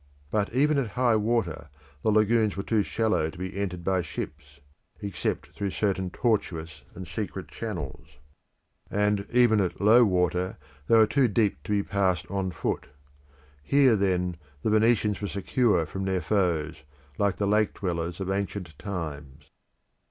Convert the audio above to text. But even at high water the lagoons were too shallow to be entered by ships except through certain tortuous and secret channels; and even at low water they were too deep to be passed on foot. Here, then, the Venetians were secure from their foes, like the lake dwellers of ancient times.